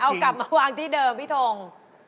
เอากลับมาวางที่เดิมพี่ทง